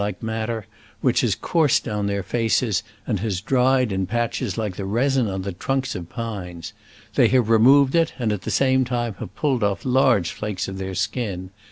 pentine like matter, which has coursed down their faces, and has dried in patches Uke the resin on the trunks of pines. They have removed it, and at the same time have pulled off large flakes of their skin.